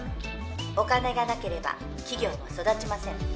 お金がなければ企業は育ちません